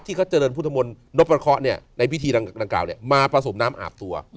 เขาเจริญพุทธมนต์นพประเคาะในพิธีดังกล่าวมาผสมน้ำอาบตัว